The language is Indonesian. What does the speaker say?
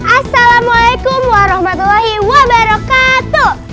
assalamualaikum warahmatullahi wabarakatuh